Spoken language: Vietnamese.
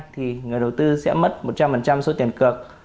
thì người đầu tư sẽ mất một trăm linh số tiền cược